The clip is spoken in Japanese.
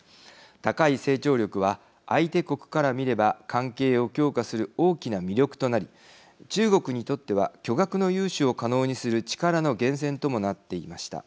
高い成長力は相手国から見れば関係を強化する大きな魅力となり中国にとっては巨額の融資を可能にする力の源泉ともなっていました。